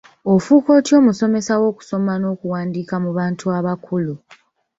Ofuuka otya omusomesa w'okusoma n'okuwandiika mu bantu abakulu?